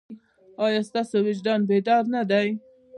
ایا ستاسو وجدان بیدار نه دی؟